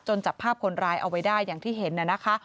จับภาพคนร้ายเอาไว้ได้อย่างที่เห็นน่ะนะคะ